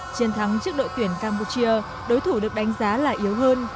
chiến thắng trước đội tuyển campuchia đối thủ được đánh giá là yếu hơn